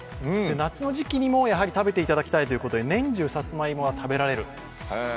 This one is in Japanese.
夏の時期にも、やはり食べていただきたいということで、年中さつまいもが食べられる。